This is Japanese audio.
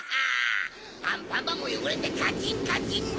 アンパンマンもよごれてカチンカチンだ！